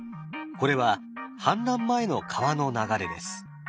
これは氾濫前の川の流れです。